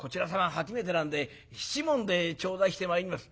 初めてなんで七文で頂戴してまいります」。